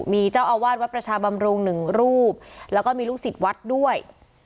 มีเจ้าอาวาสวัดประชาบำรุงหนึ่งรูปแล้วก็มีลูกศิษย์วัดด้วย